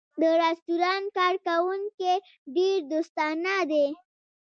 د رستورانت کارکوونکی ډېر دوستانه دی.